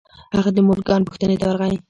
هغه د مورګان پوښتنې ته ورغی.